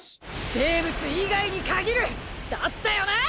生物以外に限るだったよな！